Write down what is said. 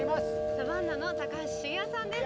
サバンナの高橋茂雄さんです。